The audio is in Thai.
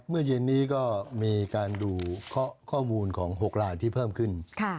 เมื่อเย็นนี้ก็มีการดูข้อมูลของ๖ลายที่เพิ่มขึ้น